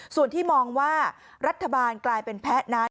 ส่วนที่มองว่ารัฐบาลกลายเป็นแพ้นั้น